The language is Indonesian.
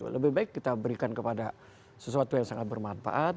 lebih baik kita berikan kepada sesuatu yang sangat bermanfaat